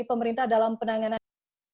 pemerintah dalam penanganan